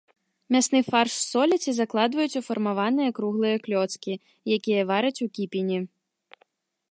Мясны фарш соляць і закладваюць у фармаваныя круглыя клёцкі, якія вараць у кіпені.